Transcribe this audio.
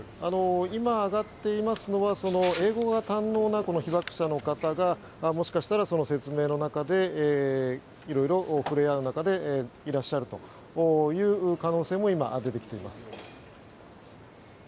今、上がっていますのは英語が堪能な被爆者の方がもしかしたら説明の中で色々触れ合う中でいらっしゃるという可能性も今、出てきています。